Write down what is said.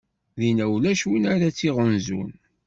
Dinna ulac win ara tt-iɣunzun.